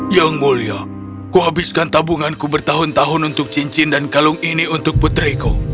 yang mulia kuhabiskan tabunganku bertahun tahun untuk cincin dan kalung ini untuk putriku